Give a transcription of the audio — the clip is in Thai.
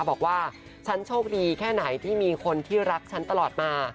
บอกว่าฉันโชคดีแค่ไหนที่มีคนที่รักฉันตลอดมา